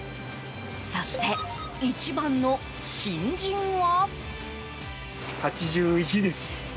そして、一番の新人は。